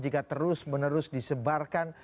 akan terus menerus disebarkan